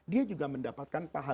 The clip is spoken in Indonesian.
dia juga mendapatkan pahala